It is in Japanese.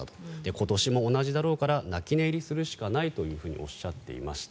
今年も同じだろうから泣き寝入りするしかないとおっしゃっていました。